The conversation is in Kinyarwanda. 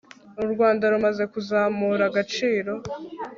urwanda rumaze kuzamura agaciro